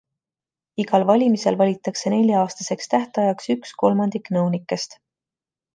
Igal valimisel valitakse nelja-aastaseks tähtajaks üks kolmandik nõunikest.